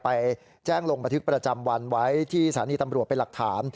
ไปแจ้งลงประทึกประจำวันที่สถานีตำรวจไปหลักถาม